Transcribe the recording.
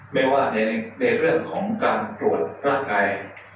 ไม่ว่าในเรื่องของการตรวจร่างกาย